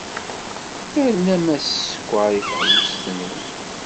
Ternam-as sskeṛ i teɣlust-nwen.